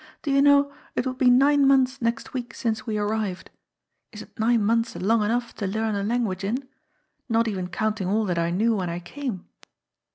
Do you know, it will be nine months next week since we arrived. Isn't nine months long enough to learn a language in ? Kot even counting all that I knew when I came."